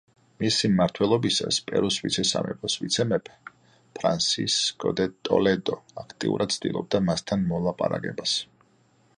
მისი მმართველობისას, პერუს ვიცე-სამეფოს ვიცე-მეფე, ფრანსისკო დე ტოლედო აქტიურად ცდილობდა მასთან მოლაპარაკებას.